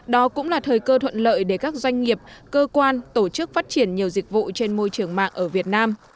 đó cũng là thời cơ thuận lợi để các doanh nghiệp cơ quan tổ chức phát triển nhiều dịch vụ trên môi trường mạng ở việt nam